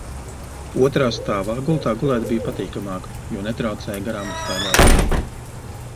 Otrā stāvā gultā gulēt bija patīkamāk, jo netraucēja garām staigātāji.